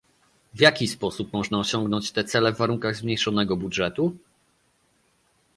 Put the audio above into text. W jaki sposób można osiągnąć te cele w warunkach zmniejszonego budżetu?